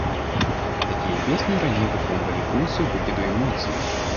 Такія песні раней выконвалі функцыю выкіду эмоцый.